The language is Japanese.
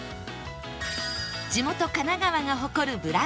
地元神奈川が誇るブランド肉